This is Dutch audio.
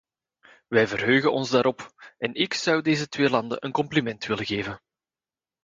Wij verheugen ons daarop, en ik zou deze twee landen een compliment willen maken.